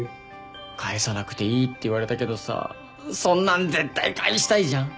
返さなくていいって言われたけどさそんなん絶対返したいじゃん。